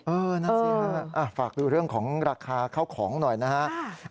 เออนั่นสิครับฝากดูเรื่องของราคาเข้าของหน่อยนะฮะค่ะ